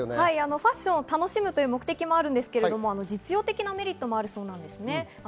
ファッションを楽しむ目的もありますが実用的なメリットもありそうです。